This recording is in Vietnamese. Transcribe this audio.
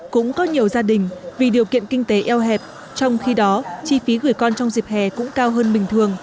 cũng có nhiều gia đình vì điều kiện kinh tế eo hẹp trong khi đó